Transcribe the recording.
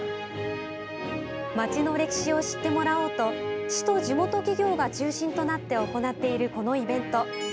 街の歴史を知ってもらおうと市と地元企業が中心となって行っている、このイベント。